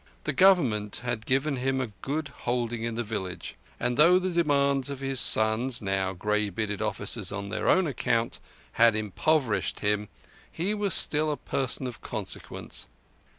The Government had given him a good holding in the village, and though the demands of his sons, now grey bearded officers on their own account, had impoverished him, he was still a person of consequence.